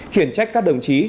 khiển trách các đồng chí